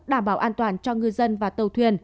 đảm bảo an toàn cho ngư dân và tàu thuyền